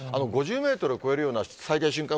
５０メートルを超えるような最大瞬間